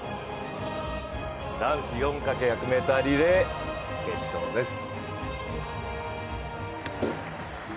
男子４×１００ｍリレー決勝です。